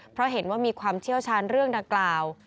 เพราะเห็นว่ามีความเชี่ยวชาญเรื่องดังกล่าว